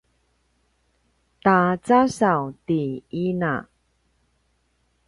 ta casaw ti ina